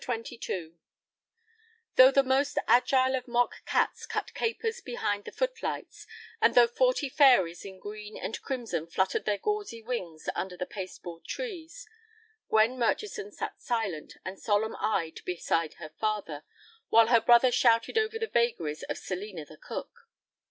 CHAPTER XXII Though the most agile of mock cats cut capers behind the foot lights, and though forty fairies in green and crimson fluttered their gauzy wings under the paste board trees, Gwen Murchison sat silent and solemn eyed beside her father, while her brother shouted over the vagaries of Selina the Cook.